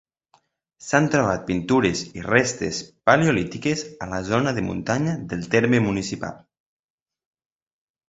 S'han trobat pintures i restes paleolítiques a la zona de muntanya del terme municipal.